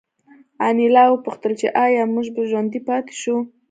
انیلا وپوښتل چې ایا موږ به ژوندي پاتې شو